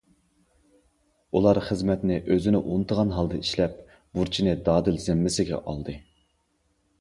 ئۇلار خىزمەتنى ئۆزىنى ئۇنتۇغان ھالدا ئىشلەپ، بۇرچنى دادىل زىممىسىگە ئالدى.